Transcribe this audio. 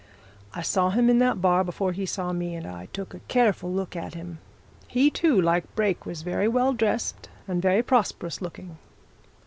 I saw him in that bar before he saw me, and I took a careful look at him. He, too, like Brake, was very well dressed, and very prosperous looking.